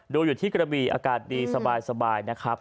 ดูอยู่ที่กระบีอากาศดีสบายนะครับ